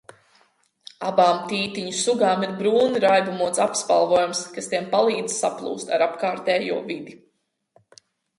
Abām tītiņu sugām ir brūni raibumots apspalvojums, kas tiem palīdz saplūst ar apkārtējo vidi.